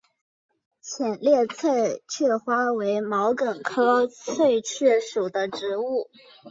浅裂翠雀花为毛茛科翠雀属的植物。